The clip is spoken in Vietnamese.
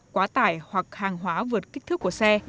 quá tải hoặc hàng hóa vượt kích thước của xe